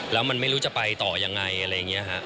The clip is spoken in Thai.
แล้วมันไม่รู้จะไปต่อยังไงอะไรอย่างนี้ฮะ